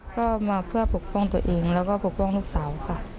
ก็มาเพื่อปกป้องตัวเองแล้วก็ปกป้องลูกสาวค่ะ